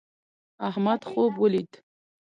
احمد خوب ولید